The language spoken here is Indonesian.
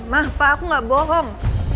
mah pak aku gak bohong